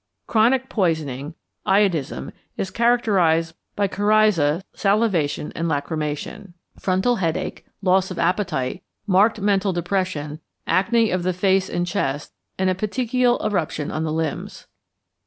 Chronic poisoning (iodism) is characterized by coryza, salivation, and lachrymation, frontal headache, loss of appetite, marked mental depression, acne of the face and chest, and a petechial eruption on the limbs.